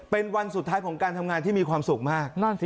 เป็นวันสุดท้ายของการทำงานที่มีความสุขมาก